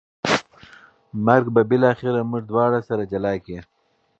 مرګ به بالاخره موږ دواړه سره جلا کړي